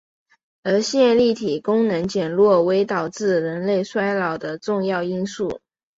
而线粒体功能减弱为导致人类衰老的重要因素。